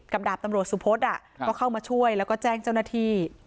ดาบตำรวจสุพธก็เข้ามาช่วยแล้วก็แจ้งเจ้าหน้าที่